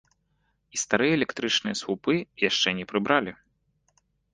І старыя электрычныя слупы яшчэ не прыбралі.